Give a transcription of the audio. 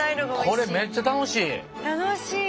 これめっちゃ楽しい。